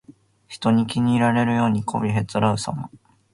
人に気に入られるようにこびへつらうさま。